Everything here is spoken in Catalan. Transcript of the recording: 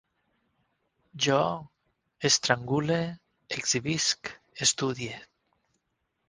Jo estrangule, exhibisc, estudie